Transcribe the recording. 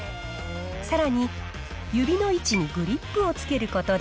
さらに、指の位置にグリップをつけることで、